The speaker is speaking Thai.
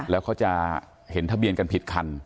แล้วเขาจะเห็นทะเบียนกันผิดคัน